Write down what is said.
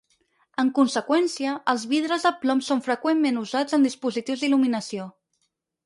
En conseqüència, els vidres de plom són freqüentment usats en dispositius d'il·luminació.